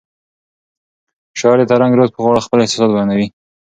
شاعر د ترنګ رود په غاړه خپل احساسات بیانوي.